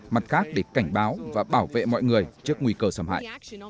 mặt khác để cảnh báo và bảo vệ mọi người trước nguy cơ xâm hại